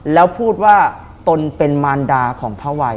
แล้วพูดว่าตนเป็นมารดาของพระวัย